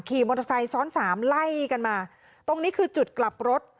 ขี่มอเตอร์ไซค์ซ้อนสามไล่กันมาตรงนี้คือจุดกลับรถ